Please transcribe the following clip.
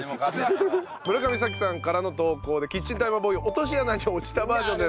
村上沙紀さんからの投稿でキッチンタイマーボーイ落とし穴に落ちたバージョンです。